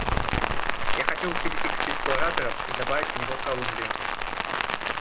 Я хотел бы перейти к списку ораторов и добавить в него Колумбию.